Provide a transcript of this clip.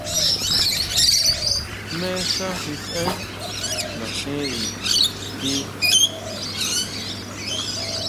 ¿Jmé xá xi saʼen naʼénri ti?